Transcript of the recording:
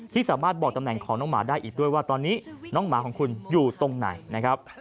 สามารถบอกตำแหน่งของน้องหมาได้อีกด้วยว่าตอนนี้น้องหมาของคุณอยู่ตรงไหนนะครับ